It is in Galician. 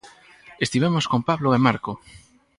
Estivemos con Pablo e Marco.